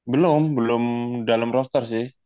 belum belum dalam roster sih